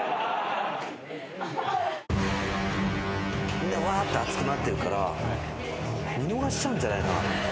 みんなわーって熱くなってるから見逃しちゃうんじゃないかなと思って。